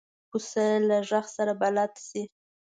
پسه له غږ سره بلد شي.